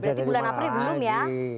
berarti bulan april belum ya